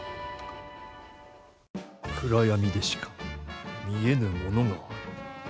暗闇でしか見えぬものがある。